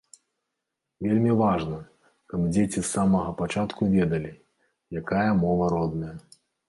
Вельмі важна, каб дзеці з самага пачатку ведалі, якая мова родная.